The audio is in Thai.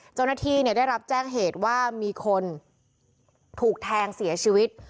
เจ้าหน้าที่ได้รับแจ้งเหตุว่ามีคนถูกแทงเสียชีวิต